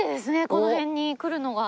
この辺に来るのが。